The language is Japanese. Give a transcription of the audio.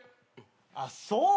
あっそう。